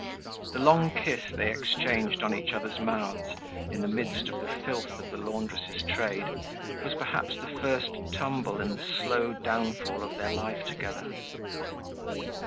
The long kiss they exchanged on each other's mouths in the midst of the filth of the laundress's trade was perhaps the first tumble in the slow downfall of their life together.